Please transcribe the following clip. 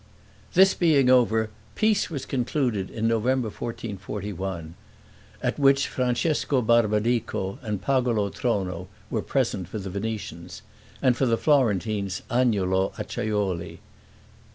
This being over, peace was concluded in November, 1441, at which Francesco Barbadico and Pagolo Trono were present for the Venetians, and for the Florentines Agnolo Acciajuoli.